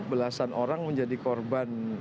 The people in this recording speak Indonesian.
belasan orang menjadi korban